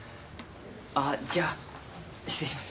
あっじゃあ失礼します。